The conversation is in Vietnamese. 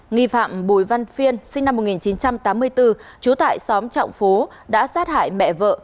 nghi phạm bùi văn phiên sinh năm một nghìn chín trăm tám mươi bốn trú tại xóm trọng phố đã sát hại mẹ vợ